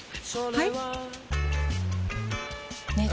はい！